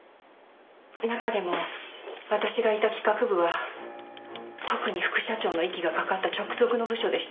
中でも私がいた企画部は特に副社長の息がかかった直属の部署でした。